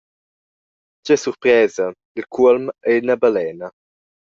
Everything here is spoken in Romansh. Tgei surpresa, il cuolm ei ina balena.